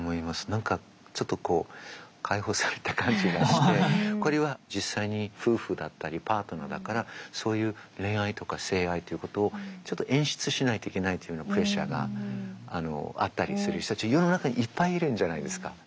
何かちょっとこう解放された感じがしてこれは実際に夫婦だったりパートナーだからそういう恋愛とか性愛ということをちょっと演出しないといけないというようなプレッシャーがあったりする人たち世の中にいっぱいいるんじゃないですか。